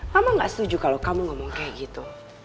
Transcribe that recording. mama gak setuju kalau kamu ngomong kayak gitu